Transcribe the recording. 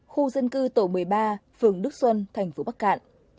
khu dân cư tổ một mươi ba phường đức xuân thành phố bắc cạn